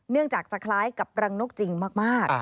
เนื่องจากจะคล้ายกับรังนกจริงมาก